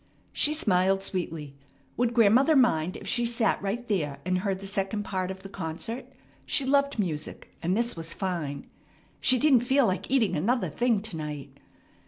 She smiled sweetly. Would grandmother mind if she sat right there and heard the second part of the concert? She loved music, and this was fine. She didn't feel like eating another thing to night.